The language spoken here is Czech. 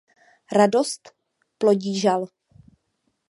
Radost plodí žal.